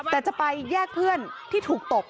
แต่จะไปแยกเพื่อนที่ถูกตบ